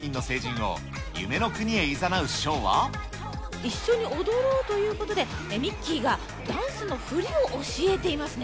集まった１３５０人の成人を、一緒に踊ろうということで、ミッキーがダンスの振りを教えていますね。